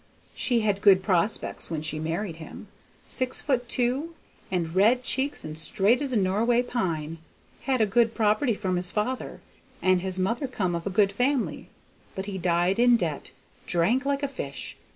She had good prospects when she married him. Six foot two and red cheeks and straight as a Noroway pine; had a good property from his father, and his mother come of a good family, but he died in debt; drank like a fish.